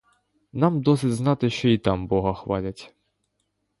Нам досить знати, що й там бога хвалять.